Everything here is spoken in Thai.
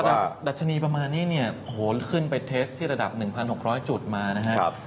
ดัชนีประมาณนี้เนี่ยโอ้โหขึ้นไปเทสที่ระดับ๑๖๐๐จุดมานะครับ